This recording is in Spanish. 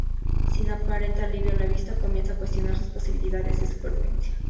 Sin aparente alivio a la vista, comienzan a cuestionar sus posibilidades de supervivencia.